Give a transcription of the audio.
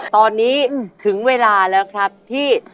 ตอนนี้ถึงเวลาแล้วครับที่